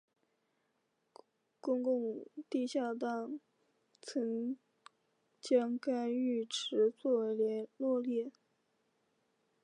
中共地下党曾将该浴池作为联络点。